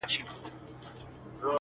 څوک چي نه لري دا دواړه بختور دی،